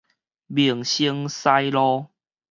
民生西路